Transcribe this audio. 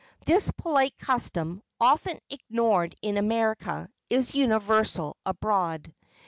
This polite custom, often ignored in America, is universal abroad.